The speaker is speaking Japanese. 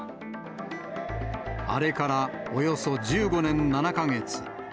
あれからおよそ１５年７か月。